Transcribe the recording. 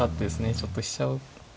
ちょっと飛車を。